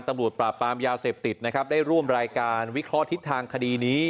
ตำรวจปราบปรามยาเสพติดนะครับได้ร่วมรายการวิเคราะห์ทิศทางคดีนี้